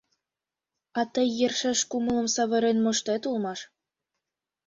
А тый йӧршеш кумылым савырен моштет улмаш.